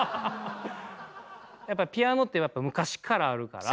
ピアノってやっぱ昔からあるから。